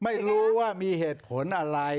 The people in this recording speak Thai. ไม่รู้ว่ามีเหตุผลอะไร